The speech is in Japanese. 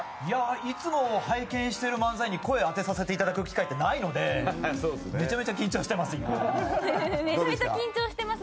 いつも拝見している漫才に声を当てさせていただく機会ってないのでめちゃめちゃ緊張しています。